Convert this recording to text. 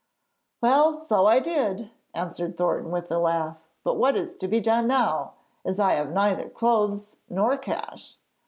'Well, so I did,' answered Thornton with a laugh. 'But what is to be done now, as I have neither clothes nor cash?'